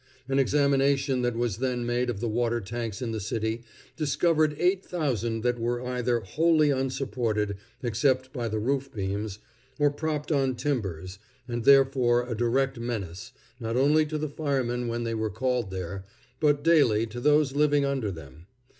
An examination that was then made of the water tanks in the city discovered eight thousand that were either wholly unsupported, except by the roof beams, or propped on timbers, and therefore a direct menace, not only to the firemen when they were called there, but daily to those living under them.